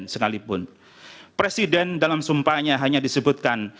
sekalipun presiden dalam sumpahnya hanya disebutkan